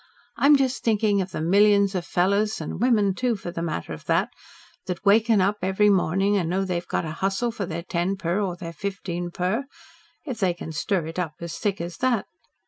I'm just thinking of the millions of fellows, and women, too, for the matter of that, that waken up every morning and know they've got to hustle for their ten per or their fifteen per if they can stir it up as thick as that.